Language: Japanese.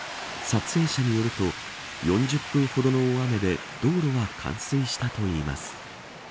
撮影者によると４０分ほどの大雨で道路は冠水したといいます。